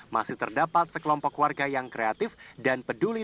masih terdapat sekelompok warga yang kreatif dan peduli